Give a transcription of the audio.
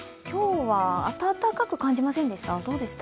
今日は暖かく感じませんでした？